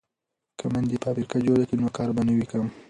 که میندې فابریکه جوړ کړي نو کار به نه وي کم.